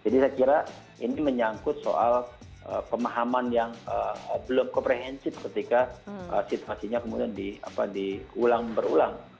jadi saya kira ini menyangkut soal pemahaman yang belum keperhensip ketika situasinya kemudian diulang berulang